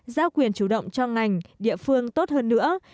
giao quyền chủ động cho ngành địa phương tốt hơn nữa